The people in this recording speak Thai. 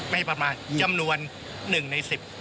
ไม่ประมาณจำนวน๑ใน๑๐